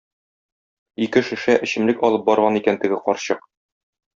Ике шешә эчемлек алып барган икән теге карчык.